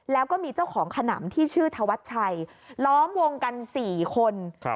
แล้วก็มีเจ้าของขนำที่ชื่อธวัชชัยล้อมวงกัน๔คน